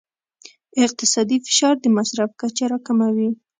اقتصادي فشار د مصرف کچه راکموي.